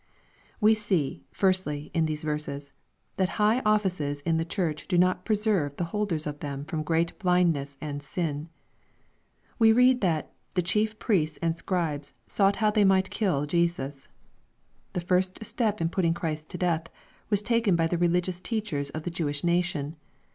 We see, firstly, in these verses, that high offices in the church do not preserve the holders of them from great blindness and sin. We read that " the chief priests and scribes sought how they might kill" Jesus. The first step in putting Christ to death, was taken by the religious teachers of the Jewish nation.